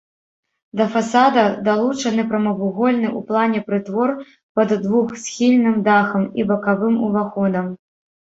Да фасада далучаны прамавугольны ў плане прытвор пад двухсхільным дахам і бакавым уваходам.